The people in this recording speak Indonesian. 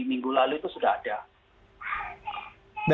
minggu lalu itu sudah ada